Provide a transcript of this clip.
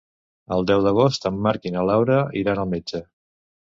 El deu d'agost en Marc i na Laura iran al metge.